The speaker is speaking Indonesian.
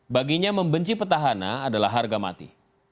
baginya membenci petahana adalah harga mati